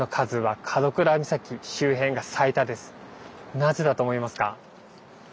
なぜだと思いますか？